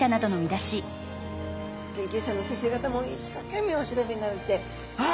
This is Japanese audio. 研究者の先生方も一生懸命お調べになられてあ！